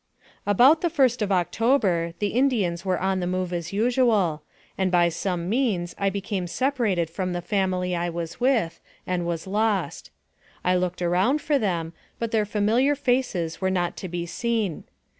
ABOUT the 1st of October the Indians were on the move as usual, and by some means I became separated from the family I was with, and was lost. I looked around for them, but their familiar faces were not to be seen.